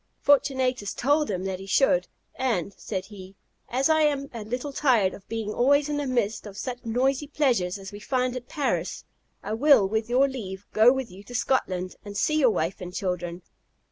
Fortunatus told him that he should. "And," said he, "as I am a little tired of being always in the midst of such noisy pleasures as we find at Paris, I will, with your leave, go with you to Scotland, and see your wife and children."